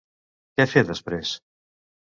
Què fer després?